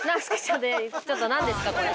ちょっと、なんですか、これ。